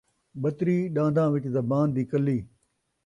ٻتری ݙنداں وچ زبان دی کلی